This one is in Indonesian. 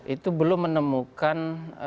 itu belum menemukan